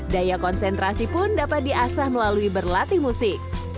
daya konsentrasi pun dapat diasah melalui berlatih musik